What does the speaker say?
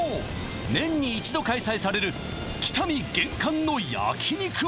年に一度開催される北見厳寒の焼き肉まつり